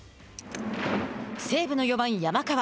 西武の４番、山川。